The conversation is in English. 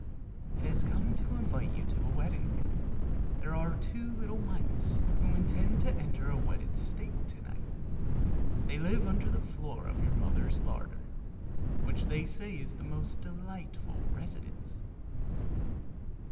"It has come to invite you to a wedding. There are two little mice who intend to enter the wedded state to night. They live under the floor of your mother's larder, which they say is a most delightful residence."